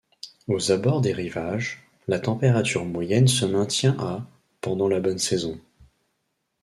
Aux abords des rivages, la température moyenne se maintient à pendant la bonne saison.